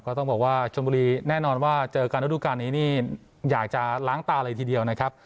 ก็ต้องบอกว่าชนบุรีแน่นอนว่าเจอกันระดูการนี้นี่อยากจะล้างตาเลยทีเดียวนะครับ